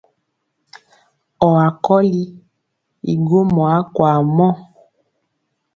Ɔwa kɔli i gwomɔ akwaa mɔ.